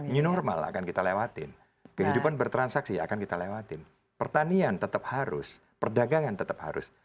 new normal akan kita lewatin kehidupan bertransaksi akan kita lewatin pertanian tetap harus perdagangan tetap harus